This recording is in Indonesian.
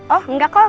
oh enggak kok